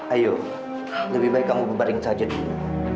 ayo lebih baik kamu bubarin saja dulu